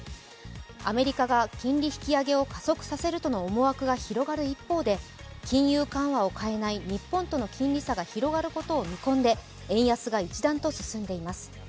アメリカが金利引き上げを加速させるとの思惑が広がる一方で金融緩和を変えない日本との金利差が広がることを見込んで円安が一段と進んでいます。